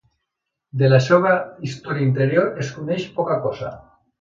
De la seva història interior es coneix poca cosa.